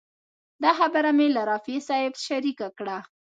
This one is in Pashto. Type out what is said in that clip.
دا خبره مې له رفیع صاحب شریکه کړه.